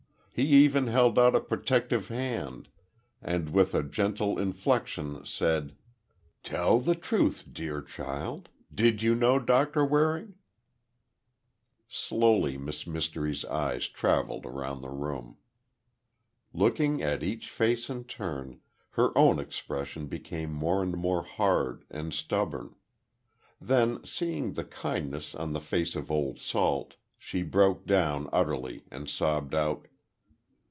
He even held out a protective hand, and with a gentle inflection, said: "Tell the truth, dear child. Did you know Doctor Waring?" Slowly Miss Mystery's eyes traveled round the room. Looking at each face in turn, her own expression became more and more hard and stubborn. Then, seeing the kindness on the face of Old Salt, she broke down utterly and sobbed out.